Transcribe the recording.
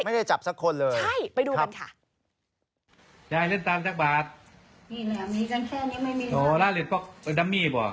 ไม่ได้จับสักคนเลยใช่ไปดูกันค่ะ